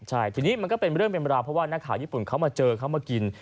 ใช่ทีนี้มันก็เป็นเรื่องเป็นราวเพราะว่านักข่าวญี่ปุ่นเขามาเจอเขามากิน